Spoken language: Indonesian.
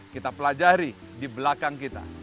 kita pelajari di belakang kita